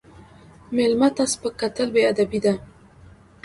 مېلمه ته سپک کتل بې ادبي ده.